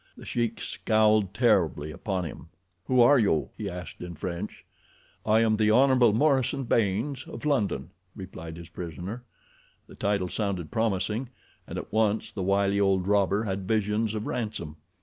The Sheik scowled terribly upon him. "Who are you?" he asked in French. "I am the Hon. Morison Baynes of London," replied his prisoner. The title sounded promising, and at once the wily old robber had visions of ransom.